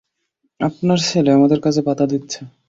আপনার ছেলে আমাদের কাজে বাদা দিচ্ছে।